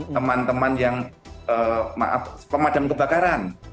teman teman yang maaf pemadam kebakaran